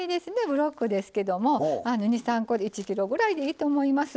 ブロックですけど、２３個で１ｋｇぐらいでいいと思います。